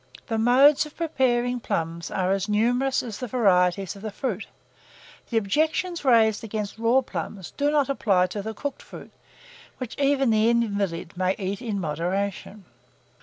The modes of preparing plums are as numerous as the varieties of the fruit. The objections raised against raw plums do not apply to the cooked fruit, which even the invalid may eat in moderation.